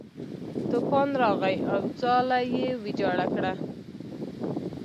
طوفان راغی او ځاله یې ویجاړه کړه.